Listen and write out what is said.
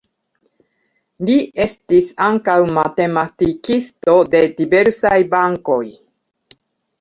Li estis ankaŭ matematikisto de diversaj bankoj.